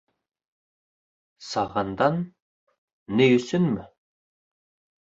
Сағандан... ни өсөнмө?